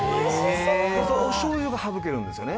おしょう油が省けるんですよね。